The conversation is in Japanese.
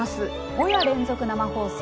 「５夜連続生放送